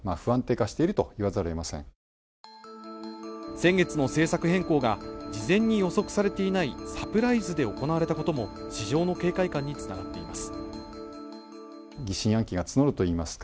先月の政策変更が事前に予測されていないサプライズで行われたことも市場の警戒感につながっています。